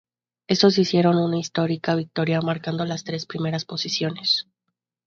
Estos hicieron una histórica victoria marcando las tres primeras posiciones.